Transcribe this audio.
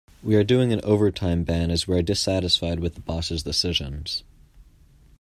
We are doing an overtime ban as we are dissatisfied with the boss' decisions.